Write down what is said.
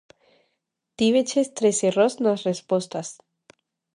Tiveches tres erros nas respostas.